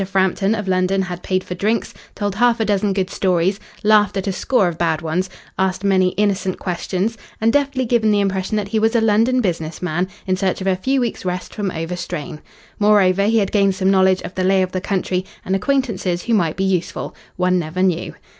Frampton of London" had paid for drinks, told half a dozen good stories, laughed at a score of bad ones, asked many innocent questions, and deftly given the impression that he was a London business man in search of a few weeks' rest from overstrain. Moreover, he had gained some knowledge of the lay of the country and acquaintances who might be useful. One never knew.